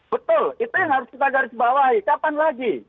betul itu yang harus kita garis bawahi kapan lagi